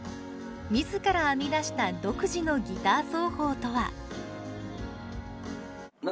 自ら編み出した独自のギター奏法とは？